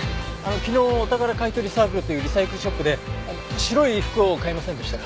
昨日お宝買取サークルというリサイクルショップで白い服を買いませんでしたか？